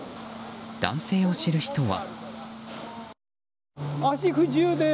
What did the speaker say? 男性を知る人は。